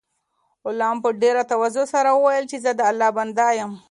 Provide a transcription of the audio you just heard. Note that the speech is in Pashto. غلام په ډېر تواضع سره وویل چې زه د الله بنده یم.